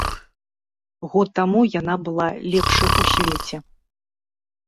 Год таму яна была лепшай у свеце.